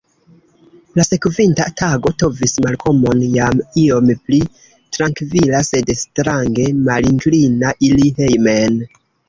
La sekvinta tago trovis Malkomon jam iom pli trankvila, sed strange malinklina iri hejmen.